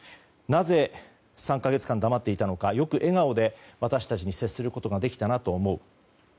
なぜ３か月間、黙っていたのかよく笑顔で私たちに接することができたなと思う。